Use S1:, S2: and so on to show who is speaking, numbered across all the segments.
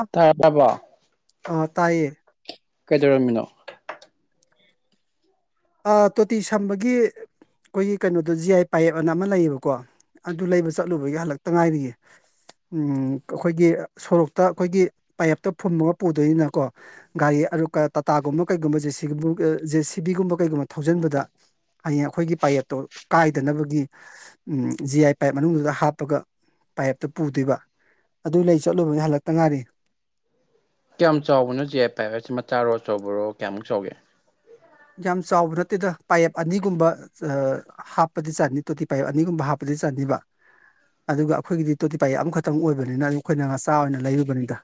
S1: up
S2: ꯇꯥꯔꯕꯣ
S1: ꯑꯥ ꯇꯥꯏꯌꯦ
S2: ꯀꯩꯗꯧꯔꯝꯃꯤꯅꯣ
S1: ꯑ ꯇꯣꯇꯤ ꯁꯝꯕꯒꯤ ꯑꯩꯈꯣꯏꯒꯤ ꯀꯩꯅꯣꯗꯣ ꯖꯤ ꯑꯥꯏ ꯄꯥꯏꯌꯦꯞ ꯑꯅ ꯑꯃ ꯂꯩꯌꯦꯕꯀꯣ ꯑꯗꯨ ꯂꯩꯕ ꯆꯠꯂꯨꯕꯒꯤ ꯍꯜꯂꯛꯇ ꯉꯥꯏꯔꯤꯌꯦ ꯎ ꯑꯩꯈꯣꯏꯒꯤ ꯁꯣꯔꯣꯛꯇ ꯑꯩꯈꯣꯏꯒꯤ ꯄꯌꯦꯞꯇ ꯐꯨꯝꯃꯒ ꯄꯨꯗꯣꯏꯅꯤꯅꯀꯣ ꯒꯥꯔꯤ ꯑꯗꯣ ꯀ ꯇꯥꯇꯥꯒꯨꯝꯕ ꯀꯩꯒꯨꯝꯕ ꯖꯦ ꯁꯤ ꯕꯨꯒ ꯖꯦ ꯁꯤ ꯕꯤꯒꯨꯝꯕ ꯀꯩꯒꯨꯝꯕ ꯊꯧꯖꯤꯟꯕꯗ ꯍꯌꯦꯡ ꯑꯩꯈꯣꯏꯒꯤ ꯄꯥꯌꯦꯞꯇꯣ ꯀꯥꯏꯗꯅꯕꯒꯤ ꯑ ꯖꯤ ꯑꯥꯏ ꯄꯥꯏꯌꯦꯞ ꯃꯅꯨꯡꯗꯨꯗ ꯍꯥꯞꯄꯒ ꯄꯥꯏꯞꯇꯣ ꯄꯨꯗꯣꯏꯕ ꯑꯗꯨꯏ ꯂꯩ ꯆꯠꯂꯨꯕꯅꯦ ꯍꯜꯂꯛꯇ ꯉꯥꯏꯔꯤ
S2: ꯀꯌꯥꯝ ꯆꯥꯎꯕꯅꯣ ꯖꯤ ꯑꯥꯢ ꯄ꯭ꯔꯥꯑꯦꯞ ꯍꯥꯢꯁꯤ ꯃꯆꯥꯔꯣ ꯑꯆꯧꯕꯔꯣ ꯀꯌꯥꯃꯨꯛ ꯆꯥꯎꯒꯦ
S1: ꯌꯥꯝ ꯆꯥꯎꯕ ꯅꯠꯇꯦꯗ ꯄꯥꯌꯦꯞ ꯑꯅꯤꯒꯨꯝꯕ ꯑ ꯍꯥꯞꯄꯗꯤ ꯆꯟꯅꯤ ꯇꯣꯇꯤ ꯄꯥꯏꯌꯦꯞ ꯑꯅꯤꯒꯨꯝꯕ ꯍꯥꯞꯄꯗꯤ ꯑꯗꯨ ꯆꯟꯅꯤꯕ ꯑꯗꯨꯒ ꯑꯩꯈꯣꯏꯒꯤꯗꯤ ꯇꯣꯇꯤꯄꯥꯌꯦꯞ ꯑꯃꯈꯛꯇꯪ ꯑꯣꯏꯕꯅꯤꯅ ꯑꯗꯨ ꯑꯩꯈꯣꯏꯅ ꯃꯆꯥ ꯑꯣꯏꯅ ꯂꯩꯔꯨꯕꯅꯤꯗ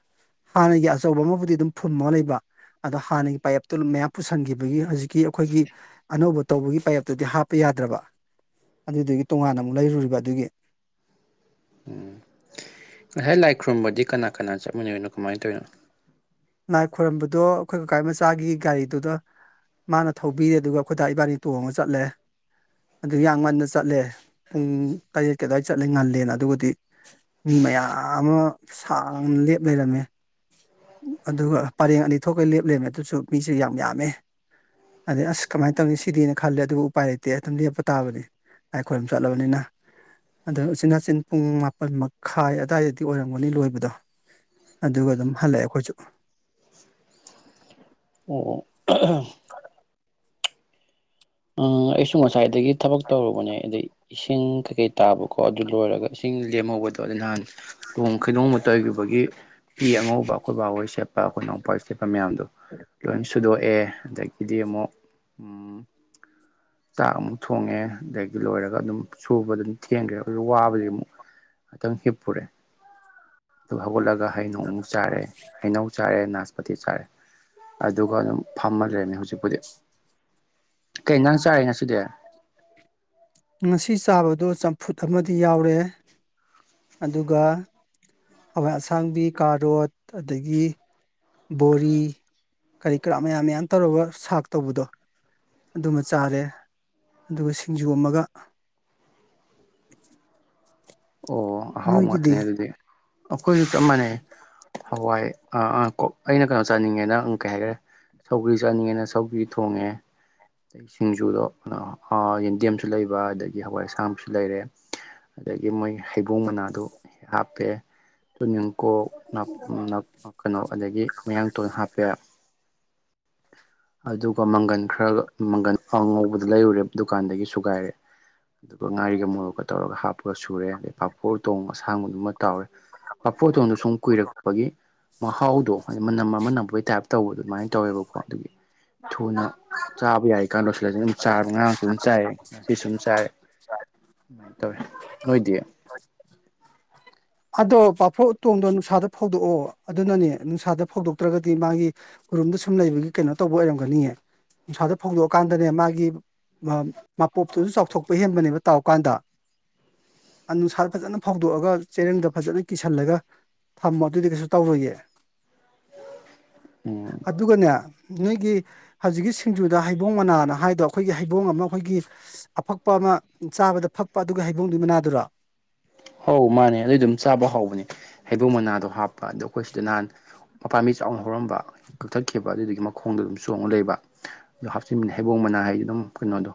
S1: ꯍꯥꯟꯅꯒꯤ ꯑꯆꯧꯕ ꯑꯃꯕꯨꯗꯤ ꯑꯗꯨꯝ ꯐꯨꯨꯝꯃꯒ ꯂꯩꯕ ꯑꯗꯣ ꯍꯥꯟꯅꯒꯤ ꯄꯥꯌꯦꯞꯇꯨ ꯃꯌꯥꯝ ꯄꯨꯁꯟꯈꯤꯕꯒꯤ ꯍꯧꯖꯤꯛꯀꯤ ꯑꯩꯈꯣꯏꯒꯤ ꯑꯅꯧꯕ ꯇꯧꯕꯒꯤ ꯄꯥꯏꯌꯦꯞꯇꯨꯗꯤ ꯍꯥꯞꯄ ꯌꯥꯗ꯭ꯔꯕ ꯑꯗꯨꯗꯨꯒꯤ ꯇꯣꯉꯥꯟꯅ ꯑꯃꯨꯛ ꯂꯩꯔꯨꯔꯤꯕ ꯑꯗꯨꯒꯤ
S2: ꯉꯁꯥꯏ ꯂꯥꯏ ꯈꯨꯔꯨꯝꯕꯗꯤ ꯀꯅꯥ ꯀꯅꯥ ꯆꯞꯃꯤꯟꯅꯔꯤꯅꯣ ꯀꯃꯥꯏ ꯇꯧꯋꯤꯅꯣ
S1: ꯂꯥꯏ ꯈꯣꯏꯔꯝꯕꯗꯣ ꯑꯩꯈꯣꯏ ꯀꯀꯥꯏ ꯃꯆꯥꯒꯤ ꯒꯥꯔꯤꯗꯨꯗ ꯃꯥꯅ ꯊꯧꯕꯤꯔꯦ ꯑꯗꯨꯒ ꯑꯩꯈꯣꯏꯗꯥ ꯏꯕꯥꯅꯤ ꯇꯣꯡꯉ ꯆꯠꯂꯦ ꯑꯗꯨ ꯌꯥꯡ ꯉꯟꯅ ꯆꯠꯂꯦ ꯄꯨꯡ ꯇꯔꯦꯠ ꯀꯦ ꯑꯗꯨꯋꯥꯏ ꯆꯠꯂꯦ ꯉꯜꯂꯦꯅ ꯑꯗꯨꯒꯗꯤ ꯃꯤ ꯃꯌꯥꯝ ꯑꯃ ꯁꯥꯡꯅ ꯂꯦꯞ ꯂꯩꯔꯝꯃꯦ ꯑꯗꯨꯒ ꯄꯔꯦꯡ ꯑꯅꯤ ꯊꯣꯛꯀ ꯂꯦꯞꯂꯦꯃꯦ ꯑꯗꯨꯁꯨ ꯃꯤꯁꯨ ꯌꯥꯝ ꯌꯥꯝꯃꯦ ꯑꯗꯩ ꯑꯁ ꯀꯃꯥꯏꯅ ꯇꯧꯅꯤ ꯁꯤꯗꯤꯅ ꯈꯜꯂꯦ ꯑꯗꯨꯕꯨ ꯎꯄꯥꯏ ꯂꯩꯇꯦ ꯑꯗꯨꯝ ꯂꯦꯞꯄ ꯇꯥꯕꯅꯤ ꯂꯥꯏ ꯈꯣꯢꯕꯝ ꯆꯠꯂꯕꯅꯤꯅ ꯑꯗ ꯎꯆꯤꯟꯅꯥꯆꯤꯟ ꯄꯨꯡ ꯃꯥꯄꯜ ꯃꯈꯥꯏ ꯑꯗꯋꯥꯏꯗꯗꯤ ꯑꯣꯏꯔꯝꯒꯅꯤ ꯂꯣꯏꯕꯗꯣ ꯑꯗꯨꯒ ꯑꯗꯨꯝ ꯍꯜꯂꯛꯑꯦ ꯑꯩꯈꯣꯏꯁꯨ
S2: ꯑꯣ ꯑꯣ
S1: [unintelligible]
S2: ꯑꯝ ꯑꯩꯁꯨ ꯉꯁꯥꯏꯗꯒꯤ ꯊꯕꯛ ꯇꯧꯔꯨꯕꯅꯦ ꯑꯗꯩ ꯏꯁꯤꯡ ꯀꯩꯀꯩ ꯇꯥꯕꯀꯣ ꯑꯗꯨ ꯂꯣꯏꯔꯒ ꯏꯁꯤꯡ ꯂꯦꯝꯍꯧꯕꯗꯣ ꯑꯗꯨ ꯅꯍꯥꯟ ꯇꯣꯡ ꯈꯩꯗꯧꯃꯇ ꯇꯩꯔꯨꯕꯒꯤ ꯐꯤ ꯑꯉꯧꯕ ꯑꯈꯣꯏ ꯕꯥꯍꯣꯏ ꯁꯦꯞ ꯑ ꯑꯈꯣꯏ ꯅꯥꯎꯄꯥ ꯆꯦꯠꯄ ꯃꯌꯥꯝꯗꯣ ꯂꯣꯏ ꯁꯨꯗꯣꯛꯑꯦ ꯑꯗꯒꯤꯗꯤ ꯑꯃꯨꯛ ꯆꯥꯛ ꯑꯃꯨꯛ ꯊꯣꯡꯉꯦ ꯑꯗꯒꯤ ꯂꯣꯏꯔꯒ ꯑꯗꯨꯝ ꯁꯨꯕ ꯑꯗꯨꯝ ꯊꯦꯡꯈ꯭ꯔꯦ ꯑꯗꯨ ꯋꯥꯕꯒꯤ ꯑꯃꯨꯛ ꯉꯇꯪ ꯁꯤꯄꯨꯔꯦ ꯑꯗꯨ ꯍꯧꯒꯠꯂꯒ ꯍꯩꯅꯧ ꯑꯃꯨꯛ ꯆꯥꯔꯦ ꯍꯩꯅꯧ ꯆꯥꯔꯦꯅꯥ ꯃꯊꯤ ꯆꯥꯔꯦ ꯑꯗꯨꯒ ꯑꯗꯨꯝ ꯐꯝꯃ ꯂꯩꯔꯝꯃꯦ ꯍꯧꯖꯤꯛꯄꯨꯗꯤ ꯀꯩ ꯏꯟꯖꯥꯡ ꯆꯥꯏ ꯉꯁꯤꯗꯦ
S1: ꯉꯁꯤ ꯆꯥꯕꯗꯨ ꯆꯝꯐꯨꯠ ꯑꯃꯗꯤ ꯌꯥꯎꯔꯦ ꯑꯗꯨꯒ ꯍꯋꯥꯏ ꯑꯁꯥꯡꯕꯤ ꯀꯥꯔꯣꯠ ꯑꯗꯒꯤ ꯕꯣꯔꯤ ꯀꯔꯤ ꯀꯔꯥ ꯃꯌꯥꯝ ꯃꯌꯥꯝ ꯇꯧꯔꯒ ꯁꯥꯛ ꯇꯧꯕꯗꯣ ꯑꯗꯨꯃ ꯆꯥꯔꯦ ꯑꯗꯨꯒ ꯁꯤꯡꯖꯨ ꯑꯃꯒ [inaudible]
S2: ꯑꯣ
S1: ꯅꯣꯏꯒꯤꯗꯤ
S2: ꯍꯥꯎꯕꯅꯦ ꯑꯗꯨꯗꯤ ꯑꯈꯣꯏꯁꯨ ꯆꯞ ꯃꯥꯟꯅꯩ ꯍꯋꯥꯏ ꯑ ꯑꯥ ꯑꯣ ꯑꯩꯅ ꯀꯩꯅꯣ ꯆꯥꯅꯤꯡꯉꯦꯅ ꯀꯩ ꯍꯥꯏꯔꯦ ꯁꯧꯒ꯭ꯔꯤ ꯆꯥꯅꯤꯡꯉꯦꯅ ꯁꯧꯒ꯭ꯔꯤ ꯊꯣꯡꯉꯦ ꯑꯩ ꯁꯤꯡꯖꯨꯗꯣ ꯀꯩꯅꯣ ꯌꯦꯟꯗꯦꯝꯁꯨ ꯂꯩꯕ ꯑꯗꯒꯤ ꯍꯋꯥꯏ ꯑꯁꯥꯡꯁꯨ ꯂꯩꯔꯦ ꯑꯗꯒꯤ ꯃꯣꯏ ꯍꯩꯕꯣꯡ ꯃꯅꯥꯗꯨ ꯍꯥꯞꯄꯦ ꯀꯣꯛ ꯀꯩꯅꯣ ꯑꯗꯒꯤ ꯃꯌꯥꯡ ꯇꯣꯟ ꯍꯥꯞꯄꯦ ꯑꯗꯨꯒ ꯃꯪꯒꯟ ꯈꯔꯒ ꯃꯪꯒꯟ ꯑꯉꯧꯕꯗꯣ ꯂꯩꯔꯨꯔꯦ ꯗꯨꯀꯥꯟꯗꯒꯤ ꯁꯨꯒꯥꯏꯔꯦ ꯑꯗꯨꯒ ꯉꯥꯔꯤꯒ ꯃꯣꯔꯣꯛꯀ ꯇꯧꯔꯒ ꯍꯥꯞꯄꯒ ꯁꯨꯔꯦ ꯑꯗꯩ ꯄꯥꯐꯣꯔ ꯇꯣꯡ ꯑꯁꯥꯡꯕꯗꯨꯃ ꯇꯔꯦ ꯄꯥꯐꯣꯇꯣꯟꯗꯣ ꯁꯨꯝ ꯀꯨꯏꯔꯛꯄꯒꯤ ꯃꯍꯥꯎꯗꯣ ꯍꯥꯏ ꯃꯅꯝ ꯑꯃ ꯅꯝꯕꯣꯏ ꯇꯥꯏꯞ ꯇꯧꯕ ꯑꯗꯨꯃꯥꯏꯅ ꯇꯧꯋꯦꯕꯀꯣ ꯑꯗꯨꯒꯤ ꯊꯨꯅ ꯆꯥꯕ ꯌꯥꯏꯀꯥꯟ ꯂꯣꯏꯁꯤꯜꯂꯁꯤ ꯑꯗꯨꯝ ꯆꯥ ꯉꯔꯥꯡꯁꯨ ꯑꯗꯨꯝ ꯆꯥꯏꯔꯦ ꯉꯁꯤꯁꯨ ꯑꯗꯨꯝ ꯆꯥꯏꯔꯦ ꯑꯗꯨꯃꯥꯏꯅ ꯇꯧꯋꯦ ꯅꯣꯏꯗꯤ
S1: [inaudible] ꯑꯗꯣ ꯄꯥꯐꯨ ꯎꯇꯣꯡꯗꯣ ꯅꯨꯡꯁꯥꯗ ꯐꯧꯗꯣꯛꯑꯣ ꯑꯗꯨꯅꯅꯦ ꯅꯨꯡꯁꯥꯗ ꯐꯧꯗꯣꯛꯇ꯭ꯔꯒꯗꯤ ꯃꯥꯒꯤ ꯎꯔꯨꯝ ꯔꯨꯝꯗ ꯁꯨꯝ ꯂꯩꯕꯒꯤ ꯀꯩꯅꯣ ꯇꯧꯕ ꯑꯣꯏꯔꯝꯒꯅꯤꯑꯦ ꯅꯨꯡꯁꯥꯗ ꯐꯧꯗꯣꯛꯑꯀꯥꯟꯗꯅꯦ ꯃꯥꯒꯤ ꯃꯄꯣꯞꯇꯨꯁꯨ ꯆꯥꯎꯊꯣꯛꯄ ꯍꯦꯟꯕꯅꯦꯕ ꯇꯥꯎ ꯀꯥꯟꯗ ꯑꯨꯡꯁꯥꯗ ꯐꯖꯅ ꯐꯧꯗꯣꯛꯑꯒ ꯆꯦꯔꯦꯡꯗ ꯐꯖꯅ ꯀꯤꯁꯜꯂꯒ ꯊꯝꯃꯣ ꯑꯗꯨꯗꯤ ꯀꯩꯁꯨ ꯇꯧꯔꯣꯏꯌꯦ
S2: ꯎꯝ
S1: ꯑꯗꯨꯒꯅꯦ ꯅꯣꯏꯒꯤ ꯍꯧꯖꯤꯛꯀꯤ ꯁꯤꯡꯖꯨꯗ ꯍꯩꯕꯣꯡ ꯃꯅꯥꯅ ꯍꯥꯏꯕꯗꯣ ꯑꯩꯈꯣꯏꯒꯤ ꯍꯩꯕꯣꯡ ꯑꯃ ꯑꯩꯈꯣꯏꯒꯤ ꯑꯐꯛꯄ ꯑꯃ ꯆꯥꯕꯗ ꯐꯛꯄ ꯑꯗꯨꯒ ꯍꯩꯕꯣꯡꯗꯨꯒꯤ ꯃꯅꯥꯗꯨꯔꯣ
S2: ꯑꯧ ꯃꯥꯅꯦ ꯑꯗꯨ ꯑꯗꯨꯝ ꯆꯥꯕ ꯍꯥꯎꯕꯅꯦ ꯍꯩꯕꯣꯡ ꯃꯅꯥꯗꯣ ꯍꯥꯞꯄ ꯑꯗꯣ ꯑꯩꯈꯣꯏ ꯁꯤꯗ ꯅꯍꯥꯟ ꯃꯄꯥꯝꯕꯤ ꯆꯥꯎꯅ ꯍꯧꯔꯝꯕ ꯀꯛꯊꯠꯈꯤꯕ ꯑꯗꯨꯗꯨꯒꯤ ꯃꯈꯣꯡꯗꯣ ꯑꯗꯨꯝ ꯆꯣꯡꯉꯒ ꯂꯩꯕ ꯑ ꯍꯥꯞꯆꯤꯟ ꯍꯩꯕꯣꯡ ꯃꯅꯥ ꯍꯥꯏꯗꯤ ꯑꯗꯨꯝ ꯀꯩꯅꯣꯗꯣ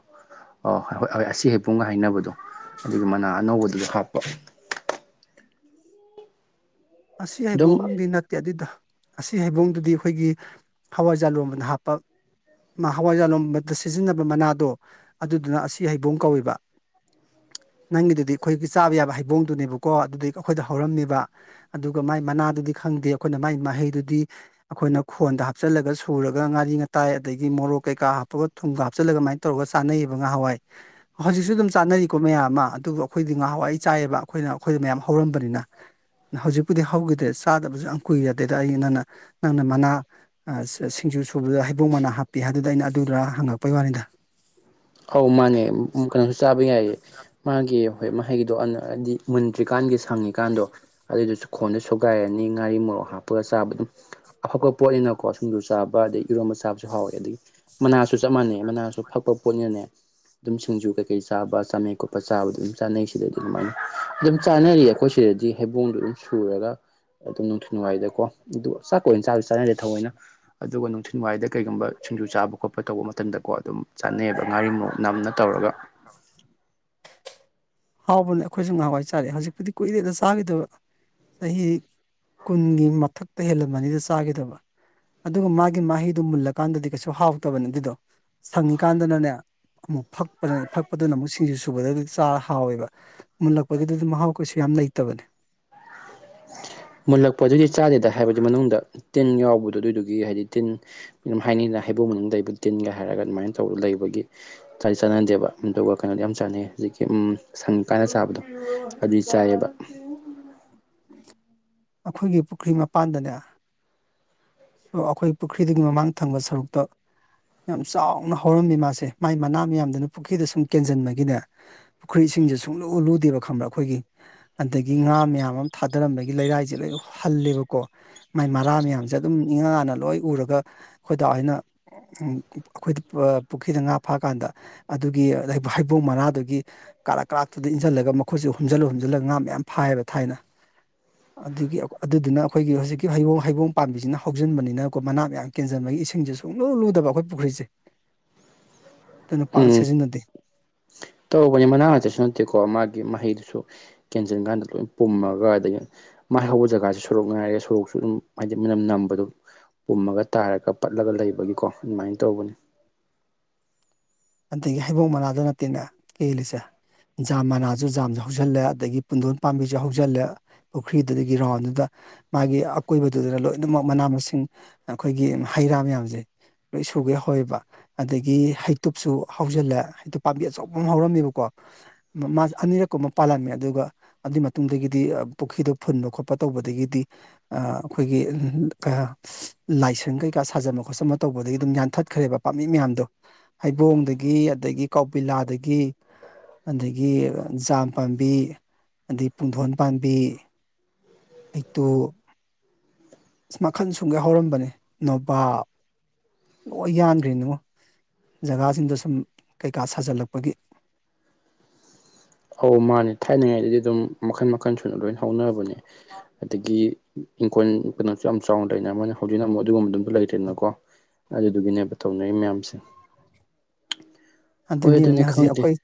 S2: ꯑꯣꯏ ꯑꯈꯣꯏ ꯑꯁꯤ ꯍꯩꯕꯣꯡꯒ ꯍꯥꯏꯅꯕꯗꯣ ꯑꯗꯨꯒꯤ ꯃꯅꯥ ꯑꯅꯧꯕꯗꯨꯁꯨ ꯍꯥꯞꯄ
S1: ꯑꯁꯤ
S2: ꯑꯗꯨꯝ
S1: ꯍꯥꯏꯕꯣꯡꯗꯤ ꯅꯠꯇꯦ ꯑꯗꯨꯗ ꯑꯁꯤ ꯍꯩꯕꯣꯡꯗꯨꯗꯤ ꯑꯈꯣꯏꯒꯤ ꯍꯋꯥꯏꯖꯥ ꯂꯣꯟꯕꯅ ꯍꯥꯞꯄ ꯍꯋꯥꯏꯖꯔ ꯂꯣꯟꯕꯗ ꯁꯤꯖꯤꯟꯅꯕ ꯃꯅꯥꯗꯣ ꯑꯗꯨꯗꯨꯅ ꯑꯁꯤ ꯍꯩꯕꯣꯡ ꯀꯧꯏꯕ ꯅꯪꯒꯤꯗꯨꯗꯤ ꯑꯈꯣꯏꯒꯤ ꯆꯥꯕ ꯌꯥꯕ ꯍꯩꯕꯣꯡꯗꯨꯅꯦꯕꯀꯣ ꯑꯗꯨꯗꯒꯤ ꯑꯩꯈꯣꯏꯗ ꯍꯧꯔꯝꯃꯤꯕ ꯑꯗꯨꯒ ꯃꯥꯏ ꯃꯅꯥꯗꯨꯗꯤ ꯈꯪꯗꯦ ꯑꯈꯣꯏꯅ ꯃꯥꯏ ꯃꯍꯩꯗꯨꯗꯤ ꯑꯩꯈꯣꯏꯅ ꯈꯣꯟꯗ ꯍꯥꯞꯆꯤꯜꯂꯒ ꯁꯨꯔꯒ ꯉꯥꯔꯤ ꯉꯔꯤ ꯉꯇꯥꯏ ꯑꯗꯩ ꯃꯣꯔꯣꯛ ꯀꯩꯀ ꯊꯨꯝ ꯍꯥꯞꯆꯜꯂ ꯑꯗꯨ ꯇꯧꯔꯒ ꯆꯅꯩꯌꯦꯕ ꯅꯍꯥꯋꯥꯏꯍꯧꯖꯤꯛꯁꯨ ꯑꯗꯨꯝ ꯆꯥꯅꯔꯤꯀꯣ ꯃꯌꯥꯝ ꯑꯃ ꯑꯗꯨꯕꯨ ꯑꯩꯈꯣꯏꯗꯤ ꯉꯍꯋꯥꯏ ꯆꯥꯏꯌꯦꯕ ꯑꯩꯈꯣꯏꯅ ꯑꯩꯈꯣꯏꯗ ꯃꯌꯥꯝ ꯍꯧꯔꯝꯕꯅꯤꯅ ꯍꯧꯖꯤꯛꯄꯨꯗꯤ ꯍꯧꯈꯤꯗꯦ ꯆꯥꯗꯕꯁꯨ ꯌꯥꯝ ꯀꯨꯏꯔꯦ ꯑꯩꯗꯩ ꯅꯪꯅ ꯅꯪꯅ ꯃꯅꯥ ꯁꯤꯡꯖꯨ ꯁꯨꯕꯗ ꯍꯩꯕꯣꯡ ꯃꯅꯥ ꯍꯥꯞꯄꯤ ꯍꯥꯏꯗꯨꯗ ꯑꯩꯅ ꯑꯗꯨꯗꯨ ꯍꯪꯉꯛꯄꯩ ꯋꯥꯅꯤꯗ
S2: ꯑꯧ ꯃꯥꯅꯦ ꯀꯩꯅꯣꯝꯁꯨ ꯆꯥꯕ ꯌꯥꯏꯌꯦ ꯃꯥꯒꯤ ꯍꯣꯏ ꯃꯍꯩꯒꯤꯗꯣ ꯑꯗꯤ ꯃꯨꯟꯗ꯭ꯔꯤꯀꯥꯟꯒꯤ ꯁꯪꯉꯤꯀꯥꯟꯗꯣ ꯑꯗꯨꯏꯗꯨꯁꯨ ꯈꯣꯟꯗ ꯁꯣꯒꯥꯏꯔꯅꯤ ꯉꯥꯔꯤ ꯃꯣꯔꯣꯛ ꯍꯥꯞꯄꯒ ꯆꯥꯕ ꯑꯗꯨꯝ ꯑꯐꯄ ꯄꯣꯠꯅꯤꯅꯀꯣ ꯁꯤꯡꯖꯨ ꯆꯥꯕ ꯑꯗꯒꯤ ꯏ ꯃꯆꯥꯁꯨ ꯍꯥꯎꯋꯦ ꯑꯗꯒꯤ ꯃꯅꯥꯁꯨ ꯆꯞ ꯃꯥꯟꯅꯩ ꯃꯅꯥꯁꯨ ꯐꯛꯄ ꯄꯣꯠꯅꯅꯦ ꯑꯗꯨꯝ ꯁꯤꯡꯖꯨ ꯀꯩꯀꯩ ꯆꯥꯕ ꯑꯃꯦꯠ ꯈꯣꯠꯄ ꯆꯥꯕ ꯑꯗꯨ ꯑꯗꯨꯝ ꯆꯥꯅꯩꯁꯤꯗ ꯑꯗꯨꯃꯥꯏꯅ ꯑꯗꯨꯝ ꯆꯥꯅꯔꯤ ꯑꯩꯈꯣꯏ ꯁꯤꯗ ꯗꯤ ꯍꯩꯕꯣꯡꯗꯣ ꯑꯗꯨꯝ ꯁꯨꯔꯒ ꯑꯗꯨꯝ ꯅꯨꯡꯊꯤꯜ ꯋꯥꯏꯗꯀꯣ ꯑꯗꯨ ꯆꯥꯛ ꯀ ꯑꯣꯏꯅ ꯆꯥꯕꯁꯨ ꯆꯥꯅꯗꯦ ꯊꯑꯣꯏꯅ ꯑꯗꯨꯒ ꯅꯨꯡꯊꯤꯜ ꯋꯥꯏꯗ ꯀꯩꯒꯨꯝꯕ ꯁꯤꯡꯖꯨ ꯆꯥꯕ ꯈꯣꯠꯄ ꯇꯧꯕ ꯃꯇꯝꯗꯀꯣ ꯑꯗꯨꯝ ꯆꯠꯅꯩꯑꯕ ꯉꯥꯔꯤꯃꯣꯔꯣꯛ ꯅꯝꯅ ꯇꯧꯔꯒ
S1: ꯍꯥꯎꯕꯅ ꯑꯈꯣꯏꯁꯨ ꯉꯍꯥꯟꯋꯥꯏ ꯆꯥꯔꯦ ꯍꯧꯖꯤꯛꯄꯨꯗꯤ ꯀꯨꯏꯔꯦꯗ ꯆꯥꯈꯤꯗꯕ ꯆꯍꯤ ꯀꯨꯟꯒꯤ ꯃꯊꯛꯇ ꯍꯦꯜꯂꯝꯃꯅꯤꯗ ꯆꯥꯈꯤꯗꯕ ꯑꯗꯨꯒ ꯃꯥꯒꯤ ꯃꯍꯤꯗꯨ ꯃꯨꯜꯂꯀꯥꯟꯗꯗꯤ ꯀꯩꯁꯨ ꯍꯥꯎꯇꯕꯅꯦ ꯑꯗꯨꯗꯣ ꯁꯪꯉꯤꯀꯥꯟꯗꯅꯅꯦ ꯑꯃꯨꯛ ꯐꯛꯄ ꯐꯛꯄꯗꯨꯅ ꯑꯃꯨꯛ ꯁꯤꯡꯁꯤ ꯁꯨꯕꯗ ꯆꯥ ꯍꯥꯎꯋꯦꯕ ꯃꯨꯟꯜꯂꯛꯄꯒꯤꯗꯨꯗꯤ ꯃꯍꯥꯎ ꯀꯩꯁꯨ ꯌꯥꯝ ꯂꯩꯇꯕꯅꯦ
S2: ꯃꯨꯜꯂꯛꯄ ꯑꯗꯨꯗꯤ ꯆꯥꯗꯦꯗ ꯍꯥꯏꯕꯗꯤ ꯃꯅꯨꯡꯗ ꯇꯤꯟ ꯌꯥꯎꯕꯗꯣ ꯑꯗꯨꯏꯗꯨꯒꯤ ꯍꯥꯏꯗꯤ ꯇꯤꯟ ꯍꯥꯏꯅꯤꯅ ꯍꯥꯏ ꯏꯕꯨꯡ ꯃꯅꯨꯡꯗ ꯂꯩ ꯑꯩꯕꯨ ꯇꯤꯟꯒ ꯍꯥꯏꯔꯒ ꯑꯗꯨꯃꯥꯏꯅ ꯇꯧꯔ ꯂꯩꯕꯒꯤ ꯆꯥꯟꯅꯗꯦꯕ ꯑꯗꯨ ꯑꯗꯨꯒ ꯀꯩꯅꯣꯗ ꯌꯥꯝ ꯆꯥꯟꯅꯩ ꯍꯧꯖꯤꯛ ꯁꯟꯉꯤ ꯀꯥꯟ ꯆꯥꯕꯗꯣ ꯑꯗꯨꯗꯤ ꯆꯥꯏꯑꯕ
S1: [inaudible] ꯑꯩꯈꯣꯏꯒꯤ ꯄꯨꯈ꯭ꯔꯤ ꯃꯄꯥꯟꯗꯅꯦ ꯑꯥ ꯑꯩꯈꯣꯏ ꯄꯨꯈ꯭ꯔꯤꯒꯤ ꯃꯃꯥꯡ ꯊꯪꯕ ꯁꯔꯨꯛꯇꯣ ꯌꯥꯝ ꯆꯥꯎꯅ ꯍꯧꯔꯝꯃꯤ ꯃꯥꯁꯦ ꯃꯥꯏ ꯃꯅꯥ ꯃꯌꯥꯝꯗꯨꯅ ꯄꯨꯈ꯭ꯔꯤꯗ ꯁꯨꯝ ꯀꯦꯟꯁꯤꯟꯕꯒꯤꯅꯦ ꯄꯨꯈ꯭ꯔꯤ ꯁꯤꯡꯁꯦ ꯁꯨꯡꯂꯨ ꯂꯨꯗꯦꯕ ꯈꯪꯕ꯭ꯔꯥ ꯑꯩꯈꯣꯏꯒꯤ ꯑꯗꯒꯤ ꯉꯥ ꯃꯌꯥꯝ ꯑꯃ ꯊꯥꯗꯔꯝꯕꯒꯤ ꯂꯩꯔꯥꯏꯁꯦ ꯂꯣꯏ ꯍ ꯍꯜꯂꯦꯕꯀꯣ ꯃꯥꯏ ꯃꯔꯥ ꯃꯌꯥꯝꯁꯦ ꯑꯗꯨꯝ ꯏꯉꯥꯅ ꯂꯣꯏ ꯎꯔꯒ ꯑꯩꯈꯣꯏꯗ ꯍꯥꯏꯅ ꯑꯈꯣꯏꯗ ꯄꯨꯈ꯭ꯔꯤꯗ ꯉꯥ ꯐꯥꯀꯥꯟꯗ ꯑꯗꯨꯒꯤ ꯍꯩꯕꯣꯡ ꯃꯅꯥꯗꯨꯒꯤ ꯀꯥꯔꯛ ꯀꯥꯔꯛꯇꯨꯗ ꯏꯟꯁꯤꯜꯂꯒ ꯃꯈꯣꯏꯁ ꯍꯨꯝꯖꯤꯜꯂ ꯍꯨꯝꯖꯤꯜꯂꯒ ꯉꯥ ꯃꯌꯥꯝ ꯐꯥꯏꯌꯦꯕ ꯊꯥꯏꯅ ꯑꯗꯨꯒꯤ ꯑꯗꯨꯗꯨꯅ ꯑꯈꯣꯏꯒꯤ ꯍꯧꯖꯤꯛꯀꯤ ꯍꯩꯕꯣꯡ ꯍꯩꯕꯣꯡ ꯄꯥꯝꯕꯤꯁꯤꯅ ꯍꯧꯖꯤꯟꯕꯅꯤꯅꯀꯣ ꯃꯅꯥ ꯃꯌꯥꯝ ꯀꯦꯟꯁꯤꯟꯕꯒꯤ ꯏꯁꯤꯡꯁꯦ ꯁꯨꯡꯂꯨ ꯂꯨꯗꯕ ꯑꯈꯣꯏ ꯄꯨꯈ꯭ꯔꯤꯁꯦ ꯑꯗꯨꯅ ꯄꯥꯛꯅ ꯁꯤꯖꯤꯟꯅꯗꯦ
S2: ꯇꯧꯕꯅꯤ ꯃꯅꯥ ꯅꯛꯇꯁꯨ ꯅꯠꯇꯦꯀꯣ ꯃꯥꯒꯤ ꯃꯍꯩꯗꯨꯁꯨ ꯀꯦꯟꯁꯤꯟ ꯀꯥꯟꯗ ꯂꯣꯏ ꯄꯨꯝꯃꯒ ꯑꯗꯒꯤ ꯃꯥꯏ ꯍꯧꯕ ꯖꯒꯥꯁꯤ ꯁꯣꯔꯣꯛ ꯉꯥꯏꯔꯒꯦ ꯁꯣꯔꯣꯛꯁꯨ ꯑꯗꯨꯝ ꯍꯥꯏꯗꯤ ꯃꯅꯝ ꯅꯝꯕꯗꯣ ꯄꯨꯝꯃꯒ ꯇꯥꯔꯒ ꯄꯠꯂꯒ ꯂꯩꯕꯒꯤꯀꯣ ꯑꯗꯨꯃꯥꯏꯅ ꯇꯧꯕꯅꯤ
S1: ꯑꯗꯒꯤ ꯍꯩꯕꯣꯡ ꯃꯅꯥꯗ ꯅꯠꯇꯦꯅꯦ ꯀꯦꯜꯂꯤꯁꯦ ꯖꯥꯝ ꯃꯅꯥꯁꯨ ꯖꯥꯝꯁꯨ ꯍꯧꯖꯤꯜꯂꯦ ꯑꯗꯒꯤ ꯄꯨꯟꯗꯣꯟ ꯄꯥꯝꯕꯤꯁꯨ ꯍꯧꯖꯤꯜꯂꯦ ꯄꯨꯈ꯭ꯔꯤꯗꯨꯗꯒꯤ ꯔꯥꯎꯟꯗꯨꯗ ꯃꯥꯒꯤ ꯑꯀꯣꯏꯕꯗꯨꯗꯅ ꯂꯣꯏꯅꯃꯛ ꯃꯅꯥ ꯃꯁꯤꯡ ꯑꯩꯈꯣꯏꯒꯤ ꯍꯩ ꯔꯥ ꯃꯌꯥꯝꯁꯦ ꯂꯣꯏ ꯁꯨꯒꯩ ꯍꯧꯑꯦꯕ ꯑꯗꯒꯤ ꯍꯩ ꯇꯗꯨꯨꯞꯁꯨ ꯍꯧꯖꯤꯜꯂꯦ ꯍꯥꯏ ꯄꯥꯝꯕꯤ ꯑꯆꯧꯕ ꯑꯃ ꯍꯧꯔꯝꯃꯦꯕꯀꯣ ꯃꯥ ꯑꯅꯤꯔꯛꯀꯨꯝꯕ ꯄꯥꯜꯂꯝꯃꯦ ꯑꯗꯨꯒ ꯑꯗꯨꯏ ꯃꯇꯨꯡꯗꯒꯤꯗꯤ ꯄꯨꯈ꯭ꯔꯤꯗꯣ ꯐꯨꯟꯕ ꯈꯣꯠꯄ ꯇꯧꯕꯗꯒꯤꯗꯤ ꯑ ꯑꯈꯣꯏꯒꯤ ꯂꯥꯏꯁꯪ ꯀꯩꯀꯥ ꯁꯥꯖꯟꯃ ꯈꯣꯠꯆꯟꯕ ꯇꯧꯕꯗꯒꯤ ꯑꯗꯨꯝ ꯌꯥꯟꯊꯠꯈ꯭ꯔꯦꯕ ꯄꯥꯝꯕꯤ ꯃꯌꯥꯝꯗꯣ ꯍꯩꯕꯣꯡꯗꯒꯤ ꯑꯗꯒꯤ ꯀꯧꯕꯤꯂꯥꯗꯒꯤ ꯑꯗꯩꯒꯤ ꯖꯥꯝ ꯄꯥꯝꯕꯤ ꯑꯗꯩ ꯄꯨꯡꯗꯣꯟ ꯄꯥꯝꯕꯤ ꯍꯩꯇꯣ ꯑꯁ ꯃꯈꯜ ꯁꯨꯝꯒꯩ ꯍꯧꯔꯝꯕꯅꯦ ꯅꯣꯕꯥꯞ ꯂꯣꯏ ꯌꯥꯟꯈ꯭ꯔꯤꯅꯤꯉꯣ ꯖꯒꯥꯁꯤꯡꯗ ꯁꯨꯝ ꯀꯩꯀꯥ ꯁꯥꯖꯤꯜꯂꯛꯄꯒꯤ
S2: ꯑꯧ ꯃꯥꯅꯦ ꯊꯥꯏꯅꯉꯥꯏꯗꯗꯤ ꯑꯗꯨꯝ ꯃꯈꯟ ꯃꯈꯜ ꯁꯨꯅ ꯂꯣꯏ ꯍꯧꯔꯕꯅꯦ ꯑꯗꯒꯤ ꯏꯪꯈꯣꯜ ꯀꯩꯅꯣꯁꯨ ꯌꯥꯝ ꯆꯥꯎꯅ ꯂꯩꯅ ꯃꯔꯣꯏꯅ ꯍꯧꯖꯤꯛꯅ ꯑꯃꯨꯛ ꯑꯗꯨꯒꯨꯝꯕꯗꯨꯝꯁꯨ ꯂꯩꯇꯦꯗꯅꯀꯣ ꯑꯗꯨꯗꯨꯒꯤꯅꯦꯕ ꯇꯧꯅꯔꯤ ꯃꯌꯥꯝꯁꯦ ꯍꯣꯏ
S1: ꯑꯗꯨꯅꯤꯅꯦ ꯌꯦꯡꯉꯣ
S2: ꯑꯗꯨꯅꯦ
S1: ꯍꯧꯖꯤꯛ
S2: ꯈꯪꯗꯦ
S1: ꯑꯈꯣꯏ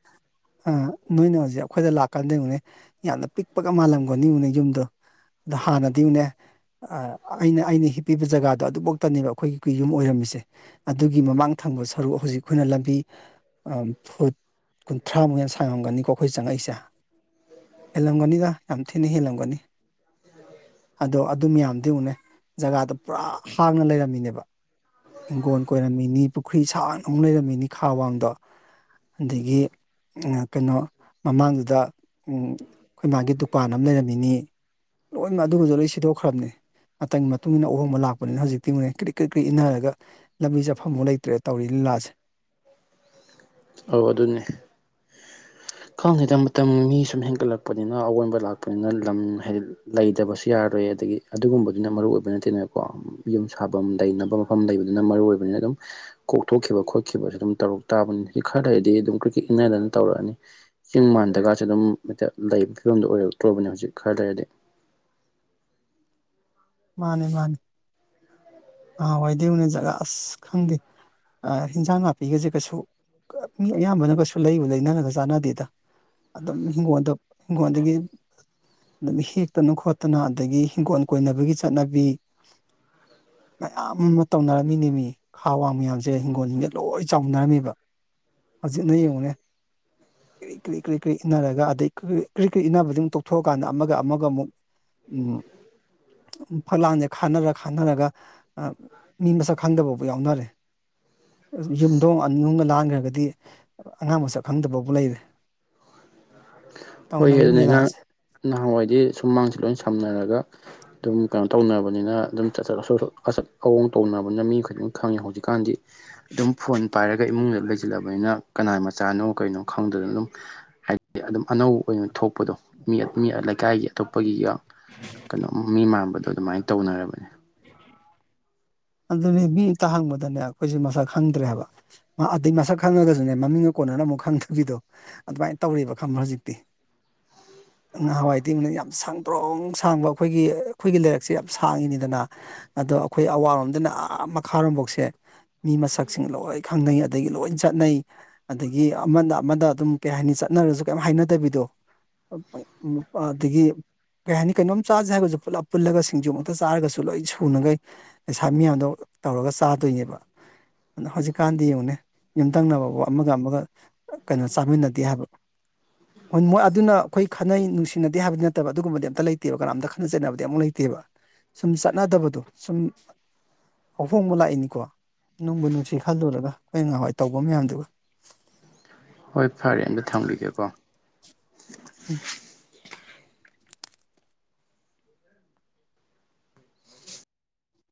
S1: ꯑ ꯅꯣꯏꯅ ꯍꯧꯖꯤꯛ ꯑꯩꯈꯣꯏꯗ ꯂꯥꯛꯀꯥꯟꯗ ꯌꯦꯡꯉꯨꯅꯦ ꯌꯥꯝꯅ ꯄꯤꯛꯄꯒ ꯃꯥꯜꯂꯝꯒꯅꯤ ꯌꯦꯡꯉꯣ ꯌꯨꯝꯗꯣ ꯑꯗ ꯍꯥꯟꯅꯗꯤꯕꯨꯅꯦ ꯑꯩꯅ ꯑꯩꯅ ꯍꯤꯞꯄꯤꯕ ꯖꯒꯥꯗꯣ ꯑꯗꯨꯐꯧꯇꯅꯦꯕ ꯑꯩꯈꯣꯏꯒꯤ ꯌꯨꯝ ꯑꯣꯏꯔꯝꯃꯤꯁꯦ ꯑꯗꯨꯒꯤ ꯃꯃꯥꯡ ꯊ ꯐꯪꯕ ꯁꯔꯨꯛ ꯍꯧꯖꯤꯛ ꯑꯈꯣꯏꯅ ꯂꯝꯕꯤ ꯐꯨꯠ ꯀꯨꯟꯊ꯭ꯔꯥꯃꯨꯛ ꯌꯥꯝ ꯁꯥꯡꯉꯝꯒꯅꯤꯀꯣ ꯑꯈꯣꯏ ꯆꯪꯉꯛꯏꯁꯦ ꯍꯦꯜꯂꯝꯒꯅꯤꯗ ꯌꯥꯝ ꯊꯤꯅ ꯍꯦꯜꯂꯝꯒꯅꯤ ꯑꯗꯣ ꯑꯗꯨ ꯃꯌꯥꯝꯗꯤ ꯌꯦꯡꯉꯨꯅꯦ ꯖꯒꯥꯗ ꯄꯨꯔꯥ ꯍꯥꯡꯅ ꯂꯩꯔꯝꯃꯤꯅꯦꯕ ꯍꯤꯡꯒꯣꯜ ꯀꯣꯏꯔꯝꯃꯤꯅꯤ ꯄꯨꯈ꯭ꯔꯤ ꯁꯥꯡꯅ ꯑꯃꯨꯛ ꯂꯩꯔꯝꯃꯤꯅꯤ ꯈꯥ ꯋꯥꯡꯗꯣ ꯑꯗꯩꯒꯤ ꯀꯩꯅꯣ ꯃꯃꯥꯡꯗꯨꯗ ꯑꯈꯣꯏ ꯃꯥꯒꯤ ꯗꯨꯀꯥꯟ ꯑꯃ ꯂꯩꯔꯝꯃꯤꯅꯤ ꯂꯣꯏꯅ ꯑꯗꯨꯃꯁꯨ ꯂꯣꯏ ꯁꯤꯗꯣꯛꯈ꯭ꯔꯕꯅꯦ ꯃꯇꯝꯒꯤ ꯃꯇꯨꯡ ꯏꯟꯅ ꯑꯍꯣꯡꯕ ꯂꯥꯛꯄꯅꯤꯅ ꯍꯧꯖꯤꯛꯇꯤ ꯀ꯭ꯔꯤ ꯀ꯭ꯔꯤ ꯀ꯭ꯔꯤ ꯏꯟꯅꯔꯒ ꯂꯝꯕꯤ ꯆꯦꯠꯐꯝꯐꯥꯎ ꯂꯩꯇ꯭ꯔꯦ ꯇꯧꯔꯤ ꯂꯥꯖꯦ
S2: ꯑꯧ ꯑꯗꯨꯅꯦ ꯈꯪꯗꯦꯗ ꯃꯇꯝ ꯃꯤ ꯁꯨꯝ ꯍꯦꯟꯒꯠꯂꯛꯄꯅꯤꯅ ꯑꯑꯣꯟꯕ ꯂꯥꯛꯄꯅꯤꯅ ꯂꯝ ꯍꯥꯏꯗꯤ ꯂꯩꯇꯕꯁꯨ ꯌꯥꯔꯣꯏ ꯑꯗꯒꯤ ꯑꯗꯨꯒꯨꯝꯕꯗꯨꯅ ꯃꯔꯨꯑꯣꯏꯕ ꯅꯠꯇꯦꯗꯅꯀꯣ ꯌꯨꯝ ꯁꯥꯕꯝ ꯂꯩꯅꯕ ꯃꯐꯝ ꯂꯩꯕꯗꯨꯅ ꯃꯔꯨꯑꯣꯏꯕꯅꯤꯅ ꯑꯗꯨꯝ ꯀꯣꯛꯊꯣꯛꯈꯤꯕ ꯈꯣꯠꯈꯤꯕꯁꯨ ꯑꯗꯨꯝ ꯇꯧꯔꯛ ꯇꯥꯕꯅꯤ ꯁꯤ ꯈꯔ ꯂꯩꯔꯗꯤ ꯑꯗꯨꯝ ꯀ꯭ꯔꯤꯛꯀꯦꯠ ꯏꯅꯗꯅ ꯇꯧꯔꯛꯑꯅꯤ ꯆꯤꯡ ꯃꯥꯟꯗꯒꯥꯁꯦ ꯑꯗꯨꯝ ꯍꯛꯇ ꯂꯩꯕ ꯐꯤꯕꯝꯗ ꯑꯣꯏꯔꯛꯇ꯭ꯔꯕꯅꯦ ꯍꯧꯖꯤꯛ ꯈꯔ ꯂꯩꯔꯗꯤ
S1: [inaudible] ꯃꯥꯅꯦ ꯃꯥꯅꯦ ꯅꯍꯟ ꯋꯥꯏꯗꯤ ꯌꯦꯟꯉꯣ ꯖꯒꯥ ꯑꯁ ꯈꯪꯗꯦ ꯍꯟꯖꯥꯡ ꯅꯥꯄꯤꯒꯁꯦ ꯀꯩꯁꯨ ꯃꯤ ꯑꯌꯥꯝꯕꯅ ꯀꯩꯁꯨ ꯂꯩꯕꯨ ꯂꯩꯅꯔꯒ ꯆꯥꯟꯅꯗꯦꯗ ꯑꯗꯨꯗꯝ ꯍꯤꯡꯒꯣꯗ ꯏꯪꯒꯣꯟꯗꯒꯤ ꯑꯗꯨꯝ ꯍꯦꯛꯇꯅ ꯈꯣꯠꯇꯅ ꯑꯗꯒꯤ ꯍꯤꯡꯒꯣꯜ ꯀꯣꯏꯅꯕꯒꯤ ꯆꯠꯅꯕꯤ ꯃꯌꯥꯝ ꯑꯃ ꯇꯧꯅꯔꯝꯃꯤꯅꯦ ꯃꯤ ꯈꯥ ꯋꯥꯡ ꯃꯌꯥꯝꯁꯦ ꯍꯤꯡꯒꯣꯜꯁꯤꯡꯁꯦ ꯂꯣꯏ ꯆꯥꯎꯅꯔꯝꯃꯤꯕ ꯍꯧꯖꯤꯠꯅ ꯌꯦꯡꯉꯨꯅꯦ ꯀ꯭ꯔꯤꯛ ꯀ꯭ꯔꯤ ꯀ꯭ꯔꯤ ꯀ꯭ꯔꯤ ꯏꯟꯅꯔꯒ ꯑꯗꯩ ꯀ꯭ꯔꯤ ꯀ꯭ꯔꯤ ꯏꯟꯅꯕꯗꯨ ꯑꯃꯨꯛ ꯇꯣꯛꯊꯣꯛꯑꯀꯥꯟꯗ ꯑꯃꯒ ꯑꯃꯒ ꯑꯃꯨꯛ ꯎꯝ ꯐꯂꯥꯡꯁꯦ ꯈꯥꯅꯔ ꯈꯥꯅꯔꯒ ꯑ ꯃꯤ ꯃꯁꯛ ꯈꯪꯗꯕꯕꯨ ꯌꯥꯎꯅꯔꯦ ꯌꯨꯝꯊꯣꯡ ꯑꯅꯤ ꯍꯨꯝꯒ ꯂꯥꯟꯈ꯭ꯔꯒꯗꯤ ꯑꯉꯥꯡ ꯃꯁꯛ ꯈꯪꯗꯕꯕꯨ ꯂꯩꯔꯦ [inaudible]
S2: ꯍꯣꯏ ꯑꯗꯨꯅꯦ ꯑꯉꯥꯡ
S1: ꯂꯤꯂꯥꯁꯦ
S2: ꯅꯍꯥꯟꯋꯥꯏꯗꯤ ꯁꯨꯝꯃꯥꯡꯁꯦ ꯂꯣꯏ ꯁꯝꯅꯔꯒ ꯑꯗꯨꯝ ꯀꯩꯅꯣ ꯇꯧꯅꯕꯅꯤꯅ ꯑꯗꯨꯝ ꯆꯠ ꯆꯠ ꯑꯁꯣ ꯑꯁꯣ ꯑꯆꯠ ꯑꯑꯣꯡ ꯇꯧꯅꯕꯅꯤꯅ ꯃꯤꯈꯨꯗꯤꯝ ꯈꯪꯉꯤ ꯍꯧꯖꯤꯛꯀꯥꯟꯗꯤ ꯑꯗꯨꯝ ꯐꯣꯟ ꯄꯥꯏꯔꯒ ꯏꯃꯨꯡꯗ ꯂꯩꯁꯤꯜꯂꯕꯅꯤꯅ ꯀꯅꯥꯢ ꯃꯆꯥꯅꯣ ꯀꯩꯅꯣ ꯈꯪꯗꯗꯅ ꯑꯗꯨꯝ ꯍꯥꯏꯗꯤ ꯑꯗꯨꯝ ꯑꯅꯧ ꯑꯈꯣꯏꯅ ꯊꯣꯛꯄꯗꯣ ꯃꯤ ꯑ ꯃꯤ ꯑ ꯂꯩꯀꯥꯏꯒꯤ ꯑꯇꯣꯞꯄꯒꯤꯒ ꯀꯩꯅꯣꯝ ꯃꯤ ꯃꯥꯟꯕꯗꯣ ꯑꯗꯨꯃꯥꯏ ꯇꯧꯅꯔꯕꯅꯦ
S1: ꯑꯗꯨꯅꯦ ꯃꯤ ꯑꯃꯇ ꯍꯪꯕꯗꯅꯦ ꯑꯈꯣꯏꯁꯦ ꯃꯁꯛ ꯈꯪꯗ꯭ꯔꯦ ꯍꯥꯏꯕ ꯑꯗꯩ ꯃꯁꯛ ꯈꯪꯉꯒꯁꯨꯅꯦ ꯃꯃꯤꯡ ꯀꯣꯟꯅꯅ ꯑꯃꯨꯛ ꯈꯪꯗꯒꯤꯗꯣ ꯑꯗꯨꯃꯥꯏꯅ ꯇꯧꯔꯦꯕ ꯈꯪꯕ꯭ꯔ ꯍꯧꯖꯤꯛꯇꯤ ꯉꯍꯥꯟꯋꯥꯏ ꯢꯇꯦꯂꯩ ꯌꯥꯝ ꯁꯥꯡꯗ꯭ꯔꯣꯡ ꯁꯥꯡꯕ ꯑꯩꯈꯣꯏꯒꯤ ꯑꯩꯈꯣꯏꯒꯤ ꯂꯩꯥꯔꯛꯁꯦ ꯌꯥꯝ ꯁꯥꯡꯉꯤꯅꯦꯗꯅ ꯑꯗ ꯑꯩꯈꯣꯏ ꯑꯋꯥꯔꯣꯝ ꯑꯗꯨꯅ ꯑꯥ ꯃꯈꯥꯔꯣꯝꯐꯥꯎꯁꯦ ꯃꯤ ꯃꯁꯛꯁꯤꯡ ꯂꯣꯏ ꯈꯪꯅꯩ ꯑꯗꯒꯤ ꯂꯣꯏꯅ ꯆꯠꯅꯩ ꯑꯗꯒꯤ ꯒꯤ ꯑꯃꯅ ꯑꯃꯗ ꯑꯗꯨꯝ ꯀꯩ ꯍꯥꯏꯅꯤ ꯆꯠꯅꯔꯁꯨ ꯀꯩ ꯍꯥꯏꯅꯗꯕꯤꯗꯣ [unintelligible] ꯅꯨꯄꯥ ꯑꯗꯒꯤ ꯀꯩ ꯍꯥꯏꯅꯤ ꯀꯩꯅꯣꯝ ꯆꯥꯥꯁꯦ ꯍꯥꯏꯕꯁꯨ ꯄꯨꯂꯞ ꯄꯨꯜꯂꯒ ꯁꯤꯡꯖꯨꯃꯛꯇ ꯆꯥꯔꯒꯁꯨ ꯂꯣꯏ ꯁꯨꯅꯈꯩ ꯍꯥꯔ ꯃꯤꯌꯥꯝꯗꯣ ꯇꯧꯔꯒ ꯆꯥꯗꯣꯏꯅꯦꯕ ꯑꯗꯣ ꯍꯧꯖꯤꯛꯀꯥꯟꯗꯤ ꯌꯦꯡꯉꯨꯅꯦ ꯌꯨꯝꯊꯪꯅꯕꯕꯨ ꯑꯃꯒ ꯑꯃꯒ ꯀꯩꯅꯣ ꯆꯥꯃꯤꯟꯅꯗꯦ ꯍꯥꯏꯕ ꯍꯣꯏ ꯃꯣꯏ ꯑꯗꯨꯅ ꯑꯩꯈꯣꯏ ꯈꯠꯅꯩ ꯅꯨꯡꯁꯤꯅꯗꯦ ꯍꯥꯏꯕꯗꯤ ꯅꯠꯇꯕ ꯑꯗꯨꯒꯨꯝꯕꯗꯤ ꯑꯝꯇ ꯂꯩꯇꯦꯕ ꯀꯅꯥꯝꯇ ꯈꯠꯅ ꯆꯩꯠꯅꯕꯗꯤ ꯑꯃꯨꯛ ꯂꯩꯇꯦꯕ ꯁꯨꯝ ꯆꯠꯅꯗꯕꯗꯣ ꯁꯨꯝ ꯑꯍꯣꯡꯕ ꯂꯥꯛꯏꯅꯤꯀꯣ ꯅꯨꯡꯕꯨ ꯅꯨꯡꯁꯤ ꯈꯜꯂꯨꯔꯒ ꯑꯩꯈꯣꯏ ꯅꯍꯋꯥꯏ ꯇꯧꯕ ꯃꯌꯥꯝꯗꯨꯒ
S2: ꯍꯣꯏ ꯐꯔꯦ ꯑꯝꯇ ꯊꯝꯒꯤꯒꯦꯀꯣ
S1: ꯎꯝ